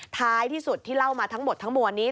ท้ายที่สุดที่เล่ามาทั้งหมดทั้งมวลนี้